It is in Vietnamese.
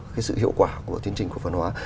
cái sự hiệu quả của thiên trình của phần hóa